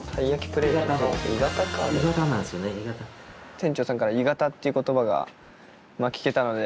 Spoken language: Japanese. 店長さんから鋳型っていう言葉が聞けたので。